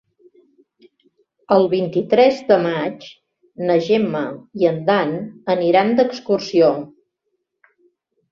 El vint-i-tres de maig na Gemma i en Dan aniran d'excursió.